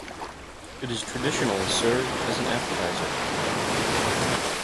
It is traditionally served as an appetizer.